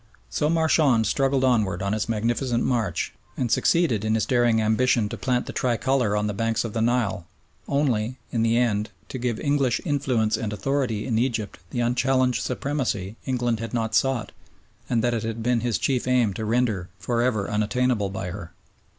So Marchand struggled onward on his magnificent march and succeeded in his daring ambition to plant the tricolour on the banks of the Nile only, in the end, to give English influence and authority in Egypt the unchallenged supremacy England had not sought and that it had been his chief aim to render for ever unattainable by her.